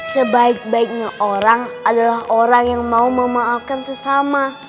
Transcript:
sebaik baiknya orang adalah orang yang mau memaafkan sesama